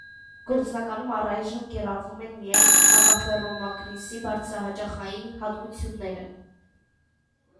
Գործնականում առայժմ կիրառվում են միայն հակաֆեռոմագնիսի բարձրահաճախային հատկությունները։